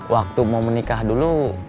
waktu mau menikah dulu